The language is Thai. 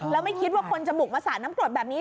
แล้วไม่คิดว่าคนจมูกมาสาดน้ำกรดแบบนี้